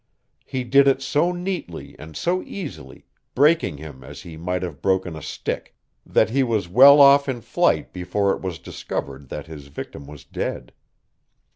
He did it so neatly and so easily, breaking him as he might have broken a stick, that he was well off in flight before it was discovered that his victim was dead.